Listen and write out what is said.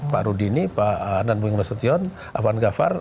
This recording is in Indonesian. pak rudini pak nandunging rasution pak afan ghaffar